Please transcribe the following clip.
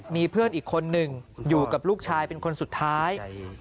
มีเพื่อนอีกคนหนึ่งอยู่กับลูกชายเป็นคนสุดท้าย